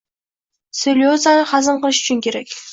Tsellyulozani hazm qilish uchun kerak.